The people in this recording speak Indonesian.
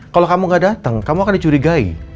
kalau kamu gak datang kamu akan dicurigai